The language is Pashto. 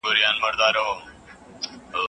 شاګرد د خپل کار نیمګړتیا ویني.